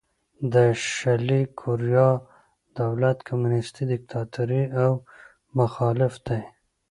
د شلي کوریا دولت کمونیستي دیکتاتوري او مخالف دی.